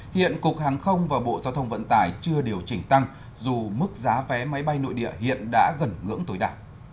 hiện cục hàng không và bộ giao thông vận tải chưa điều chỉnh tăng dù mức giá vé máy bay nội địa hiện đã gần ngưỡng tối đa